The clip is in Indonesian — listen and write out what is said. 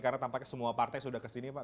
karena tampaknya semua partai sudah kesini pak